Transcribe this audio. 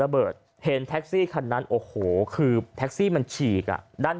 ระเบิดเห็นแท็กซี่คันนั้นโอ้โหคือแท็กซี่มันฉีกอ่ะด้าน